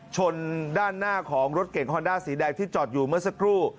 ชนด้านหน้าของรถเก่งฮอนด้าสีแดงที่จอดอยู่เมื่อสักครู่